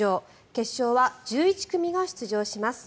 決勝は１１組が出場します。